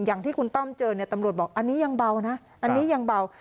อย่างที่คุณต้อมเจอเนี่ยตำรวจบอกอันนี้ยังเบานะอันนี้ยังเบา